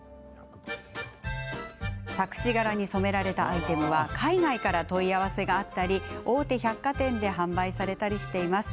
錯視柄に染められたアイテムは海外から問い合わせがあったり大手百貨店で販売されています。